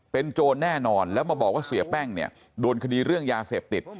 เป็นโจรแน่นอนแล้วมาบอกว่าเสียแป้งเนี่ยโดนคดีเรื่องยาเสพติด